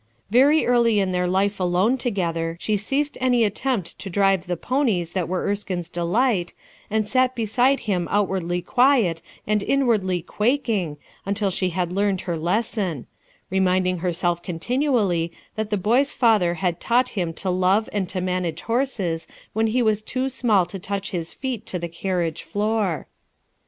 Very early in their life alone together she ceased any attempt to drive the ponies that were Erskine's delight, and sat beside him outwardly quiet and inwardly quaking until she had learned her lesson — reminding herself continually that the boy's father had taught him to love and to manage horses when he was too small to touch his feet to the carriage floor.